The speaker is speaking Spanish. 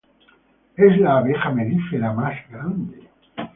Es la abeja melífera más grande.